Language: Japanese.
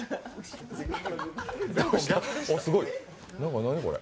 すごい、何これ。